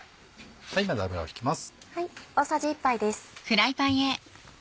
まず油を引きます。